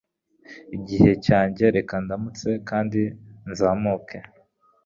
Igihe cyanjye reka ndamutse kandi nzamuke